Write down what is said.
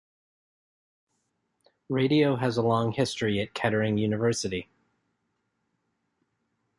Radio has a long history at Kettering University.